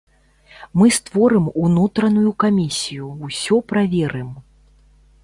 Мы створым унутраную камісію, усё праверым.